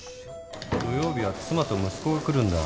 土曜日は妻と息子が来るんだ。